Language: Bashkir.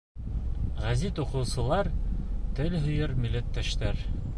Гәзит уҡыусылар, телһөйәр милләттәштәр!